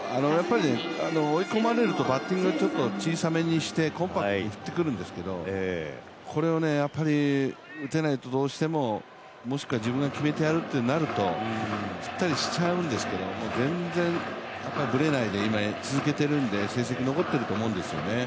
追い込まれるとバッティング小さめにしてコンパクトに振ってくるんですけどこれを打てないとどうしてももしくは自分が決めてやるとなると、振ったりしちゃうんですけど全然ぶれないで続けているので成績が残っているんだと思いますね。